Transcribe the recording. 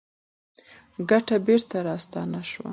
ګټه بېرته راستانه شوه.